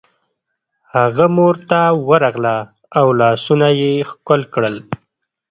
هغه مور ته ورغله او لاسونه یې ښکل کړل